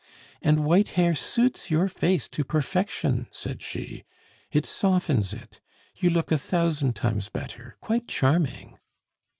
"And white hair suits your face to perfection," said she; "it softens it. You look a thousand times better, quite charming."